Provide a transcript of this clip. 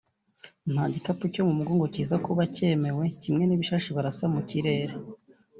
nta gikapu cyo mu mugongo kiza kuba cyemewe kimwe n’ibishashi barasa mu kirere